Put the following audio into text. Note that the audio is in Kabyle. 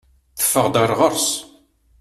Teffeɣ-d ɣer ɣur-s.